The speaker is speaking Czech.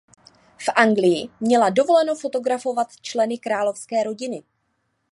V Anglii měla dovoleno fotografovat členy královské rodiny.